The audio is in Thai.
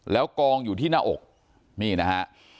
แล้วกองอยู่ที่หน้าอกนี่นะฮะ